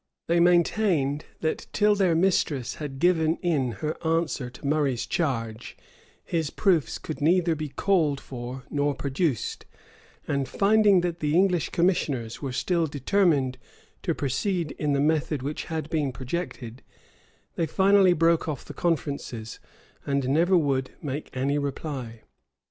[] They maintained, that till their mistress had given in her answer to Murray's charge, his proofs could neither be called for nor produced:[v] and finding that the English commissioners were still determined to proceed in the method which had been projected, they finally broke off the conferences, and never would make any reply.